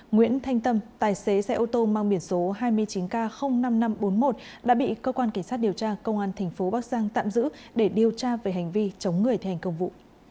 nguyễn thanh tâm tài xế xe ô tô mang biển số hai mươi chín k năm nghìn năm trăm bốn mươi một đã bị cơ quan cảnh sát điều tra công an tp bắc giang tạm giữ để điều tra về hành vi chống người thi hành công vụ